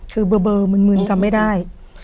คือเบอร์มึนจำไม่ได้